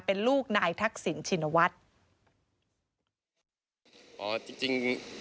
เป็นลูกนายทักษิณชินวัฒน์